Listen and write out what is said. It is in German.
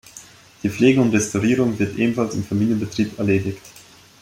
Die Pflege und Restaurierung wird ebenfalls im Familienbetrieb erledigt.